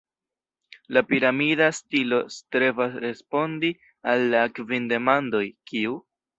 La piramida stilo strebas respondi al la kvin demandoj: Kiu?